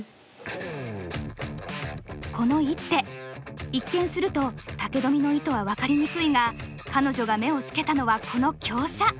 この一手一見すると武富の意図は分かりにくいが彼女が目をつけたのはこの香車。